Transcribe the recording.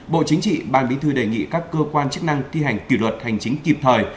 bộ chính trị ban bí thư đề nghị các cơ quan chức năng thi hành kỷ luật hành chính kịp thời